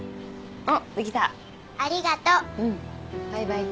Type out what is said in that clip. あっ。